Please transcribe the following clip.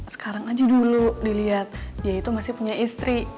sekarang aja dulu dilihat dia itu masih punya istri